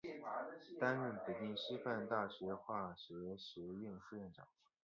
担任北京师范大学化学学院副院长。